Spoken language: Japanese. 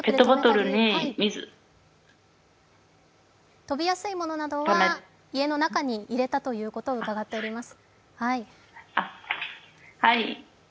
飛びやすいものなどは家の中に入れたということを伺っています。